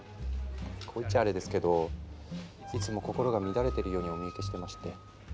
こう言っちゃアレですけどいつも心が乱れているようにお見受けしてまして。